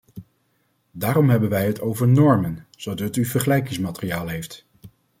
Daarom hebben wij het over normen, zodat u vergelijkingsmateriaal heeft.